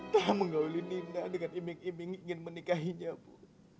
tidak menggauli nina dengan iming iming ingin menikahinya bu